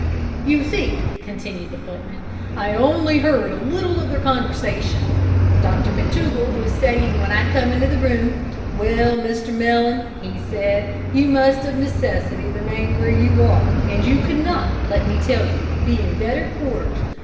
"You see," continued the footman, "I only heard a little of their conversation. Dr McTougall was saying when I come into the room: `Well, Mr Mellon,' he said, `you must of necessity remain where you are, and you could not, let me tell you, be in better quarters.